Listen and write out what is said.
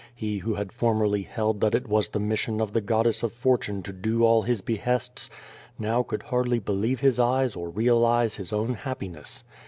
He who had formerlv held that it was the mission of the goddess of fortune to do all his behests, now could hardly believe his eyes or realize his own happiness.